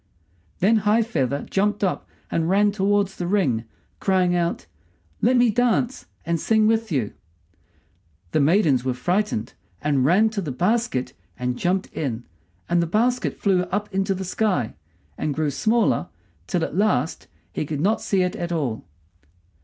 Then High feather jumped up and ran towards the ring, crying out, "Let me dance and sing with you!" The maidens were frightened, and ran to the basket and jumped in, and the basket flew up into the sky, and grew smaller till at last he could not see it at all.